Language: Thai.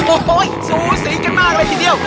โอ้โหสูสีกันมากเลยทีเดียว